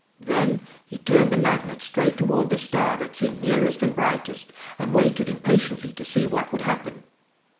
Then he turned the Magnet straight toward the star that seemed nearest and brightest, and waited impatiently to see what would happen.